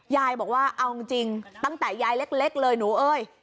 ยายบอกว่าเอาจริงตั้งแต่ยายเล็กเลยหนูเอ้ย